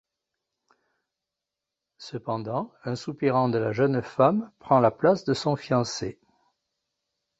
Cependant, un soupirant de la jeune femme prend la place de son fiancé.